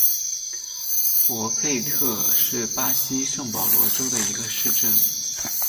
博费特是巴西圣保罗州的一个市镇。